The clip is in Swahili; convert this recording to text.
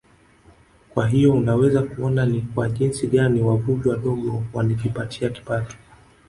Kwa hiyo unaweza kuona ni kwa jinsi gani wavuvi wadogo wanajipatia kipato